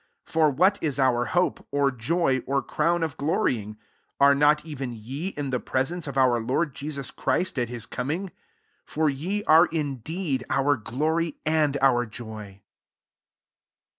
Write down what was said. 19 For what is our hope, or joy, or crown of glorying ? are not even ye in the presence of our Lord Jesus \_Christ'] at his coming ? 20 for ye are indeed our glory and our joy.